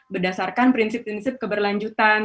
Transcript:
berdasarkan prinsip prinsip keberlanjutan